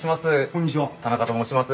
田中と申します。